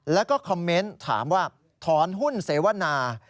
แล้วก็คอมเมนต์ถามว่าถอนหุ้นเสวนา